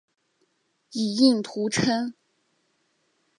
以应图谶。